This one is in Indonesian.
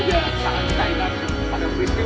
yang pernah memenuhi